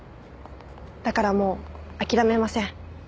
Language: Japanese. だからもう諦めません。